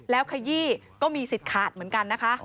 อ๋อเหรอฮะ